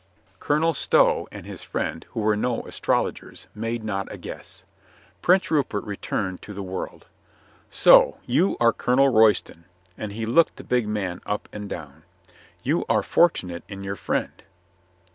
Colonel Stow and his friend, who were no astrolo 136 COLONEL GREATHEART gers, made not ,a guess. Prince Rupert returned to the world. "So you are Colonel Royston," and he looked the big man up and down. "You are for tunate in your friend."